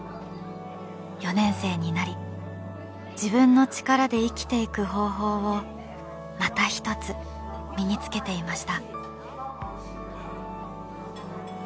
４年生になり自分の力で生きていく方法をまた一つ身につけていました。